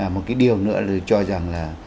một cái điều nữa là cho rằng là